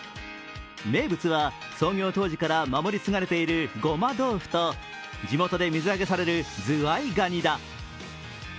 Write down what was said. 名物は創業当時から守り継がれているごま豆腐と地元で水揚げされるズワイガニだ。